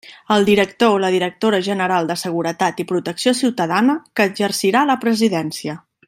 El director o la directora general de Seguretat i Protecció Ciutadana que exercirà la presidència.